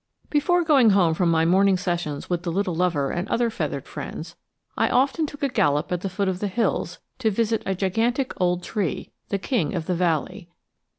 BEFORE going home from my morning sessions with the little lover and other feathered friends, I often took a gallop at the foot of the hills to visit a gigantic old tree, the king of the valley.